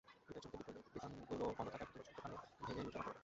ঈদের ছুটিতে বিপণিবিতানগুলো বন্ধ থাকায় প্রতিবছরই দোকান ভেঙে লুটের ঘটনা ঘটে।